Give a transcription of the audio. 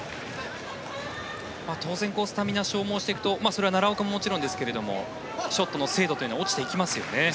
当然、スタミナ消耗していくとそれは奈良岡ももちろんですがショットの精度というのは落ちていきますよね。